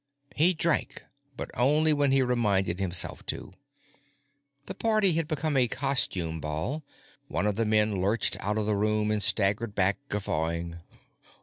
He drank, but only when he reminded himself to. This party had become a costume ball; one of the men lurched out of the room and staggered back guffawing.